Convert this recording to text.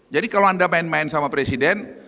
jadi kalau anda main main sama presiden